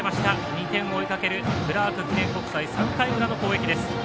２点を追いかけるクラーク記念国際３回裏の攻撃です。